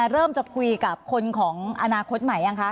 เริ่มจะคุยกับคนของอนาคตใหม่ยังคะ